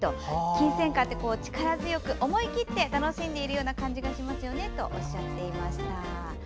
キンセンカって、力強く思い切って楽しんでいる感じがしますよねとおっしゃっていました。